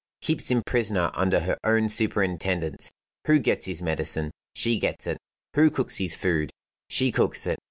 Keeps him prisoner under her own superintendence. Who gets his medicine? She gets it. Who cooks his food? She cooks it.